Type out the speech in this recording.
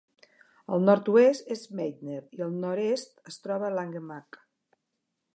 Al nord-oest és Meitner, i al nord-est es troba Langemak.